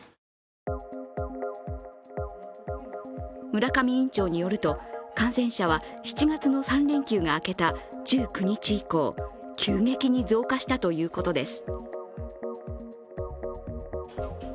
村上院長によると感染者は７月の３連休が明けた１９日以降急激に増加したということです。